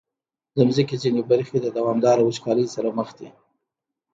د مځکې ځینې برخې د دوامداره وچکالۍ سره مخ دي.